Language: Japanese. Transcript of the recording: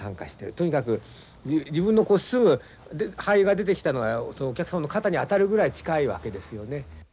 とにかく自分のすぐハエが出てきたのがそのお客様の肩に当たるぐらい近いわけですよね。